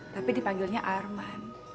tapi dipanggilnya arman